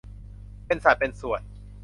เป็นสัดเป็นส่วน